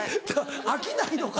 飽きないのか？